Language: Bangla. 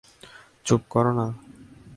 চুপ কর না?